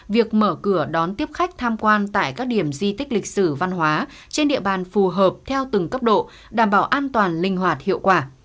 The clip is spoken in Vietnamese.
việc mở cửa đón tiếp khách tham quan tại các điểm di tích lịch sử văn hóa trên địa bàn phù hợp theo từng cấp độ đảm bảo an toàn linh hoạt hiệu quả